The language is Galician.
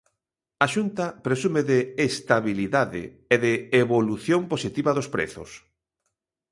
A Xunta presume de "estabilidade" e de "evolución positiva dos prezos".